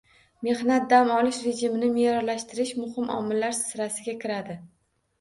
Mehnat, dam olish rejimini me’yorlashtirish muhim omillar sirasiga kiradi.